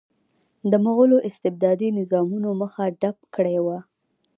د مغولو استبدادي نظامونو مخه ډپ کړې وه.